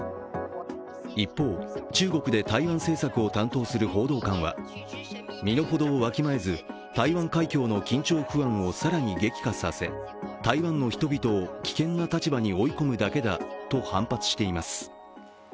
一方、中国で台湾政策を担当する報道官は身の程をわきまえず台湾海峡の緊張不安を更に激化させ、台湾の人々を危険な立場に追い込むだけだと反発しています。